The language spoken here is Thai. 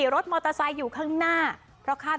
รถเค้าแรงเนอะบึ้น